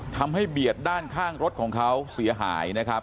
เบียดด้านข้างรถของเขาเสียหายนะครับ